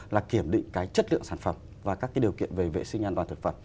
là kiểm định cái chất lượng sản phẩm và các cái điều kiện về vệ sinh an toàn thực phẩm